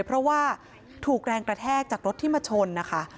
เพราะว่าถูกแรงกระแทกจากรถที่มาชนนะคะ